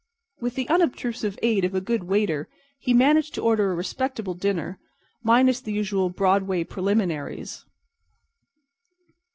With the unobtrusive aid of a good waiter he managed to order a respectable dinner, minus the usual Broadway preliminaries.